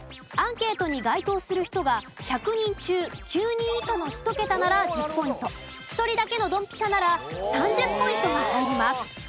アンケートに該当する人が１００人中９人以下の１ケタなら１０ポイント１人だけのドンピシャなら３０ポイントが入ります。